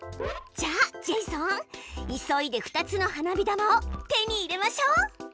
じゃあジェイソン急いで２つの花火玉を手に入れましょ！